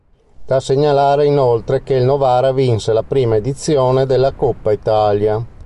Da segnalare inoltre che il Novara vinse la prima edizione della Coppa Italia.